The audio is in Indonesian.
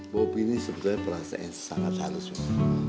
bobi ini sebetulnya perasaan yang sangat halus ya